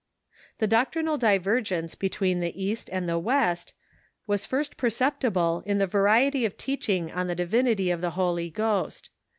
The doctrinal divergence between the East and the West was first perceptible in the variety of teaching on the divinity of the Holy Ghost.